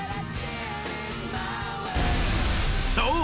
［そう。